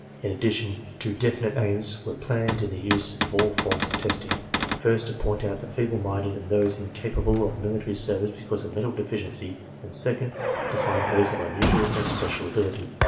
In addition, two definite aims were planned in the use of all forms of testing: /first, to point out the feeble minded and those incapable of mili tary service because of mental deficiency and, second, to find those of unusual or special ability.